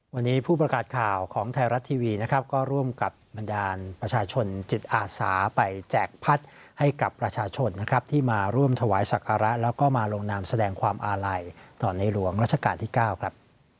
วันนี้ผู้ประกาศข่าวของไทยรัฐทีวีนะครับก็ร่วมกับบรรดาลประชาชนจิตอาสาไปแจกพัดให้กับประชาชนนะครับที่มาร่วมถวายศักระแล้วก็มาลงนามแสดงความอาลัยต่อในหลวงรัชกาลที่๙ครับ